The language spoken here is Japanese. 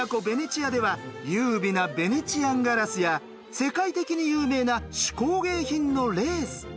ベネチアでは優美なベネチアンガラスや世界的に有名な手工芸品のレース。